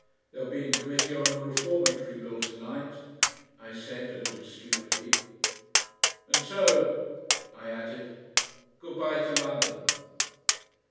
"They'll be in Committee on the Reformatory Bill to night," I said, a little stupidly. "And so," I added, "good bye to London!"